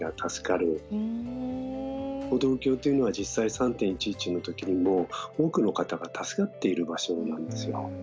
歩道橋っていうのは実際３．１１の時にも多くの方が助かっている場所になるんですよ。